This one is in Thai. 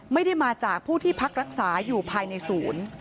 ไม่ได้มาจากผู้ที่พักรักษาอยู่ภายในศูนย์